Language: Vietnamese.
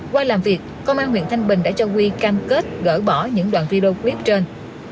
qua làm việc công an huyện thanh bình đã cho quy cam kết gỡ bỏ những đoạn video clip trên